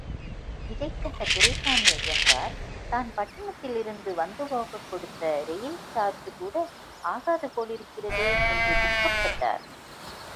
இதைக் கண்ட துரைசாமி ஐயங்கார் தான் பட்டணத்திலிருந்து வந்துபோகக் கொடுத்த ரெயில் சார்ஜுகூட ஆகாது போலிருக்கிறதே என்று துக்கப்பட்டார்.